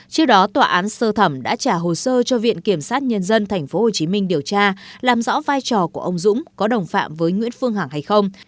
trước đó tòa án sơ thẩm đã trả hồ sơ cho viện kiểm sát nhân dân tp hcm điều tra làm rõ vai trò của ông dũng có đồng phạm với nguyễn phương hằng hay không